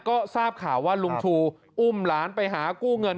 ก็ทราบข่าวว่าลุงชูอุ้มหลานไปหากู้เงิน